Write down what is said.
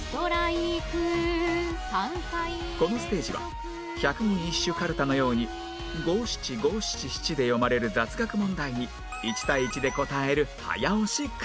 このステージは百人一首かるたのように五七五七七で読まれる雑学問題に１対１で答える早押しクイズ